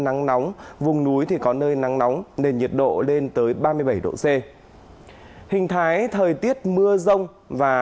nắng nóng vùng núi có nơi nắng nóng nên nhiệt độ lên tới ba mươi bảy độ c hình thái thời tiết mưa rông và